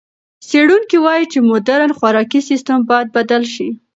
څېړونکي وايي چې مُدرن خوراکي سیستم باید بدل شي.